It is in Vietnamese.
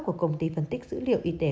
của công ty phân tích dữ liệu y tế